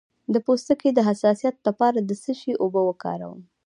د پوستکي د حساسیت لپاره د څه شي اوبه وکاروم؟